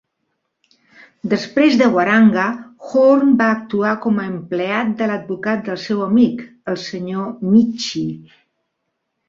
Després de Waranga, Horne va actuar com a "empleat de l'advocat del seu amic, el Sr. Mitchie".